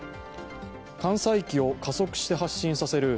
艦載機を加速して発進させる